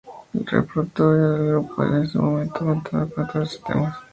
El repertorio del grupo en ese momento contaba con catorce temas.